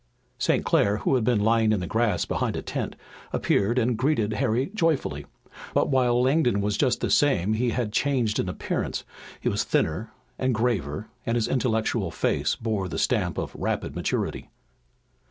St. Clair, who had been lying in the grass behind a tent, appeared and greeted Harry joyfully. But while Langdon was just the same he had changed in appearance. He was thinner and graver, and his intellectual face bore the stamp of rapid maturity.